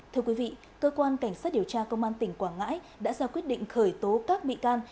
thưa quý vị cơ quan cảnh sát điều tra công an tỉnh quảng ngãi đã ra quyết định khởi tố các bị can